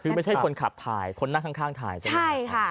คือไม่ใช่คนขับถ่ายคนนั่งข้างถ่ายใช่ไหมใช่ค่ะ